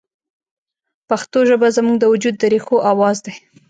پښتو ژبه زموږ د وجود د ریښو اواز دی